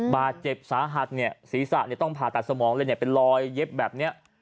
บาดเจ็บสาหัสเนี่ยศีรษะต้องผ่าตัดสมองเลยเนี่ยเป็นรอยเย็บแบบนี้